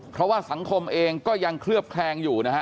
เพราะว่าสังคมเองก็ยังเคลือบแคลงอยู่นะฮะ